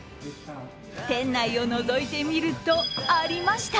店内をのぞいてみるとありました！